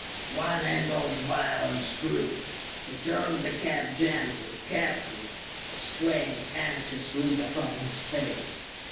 One end of the vial unscrewed. He turned the cap gently, carefully, a strained, anxious look upon his face.